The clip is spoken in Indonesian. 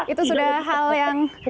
itu sudah hal yang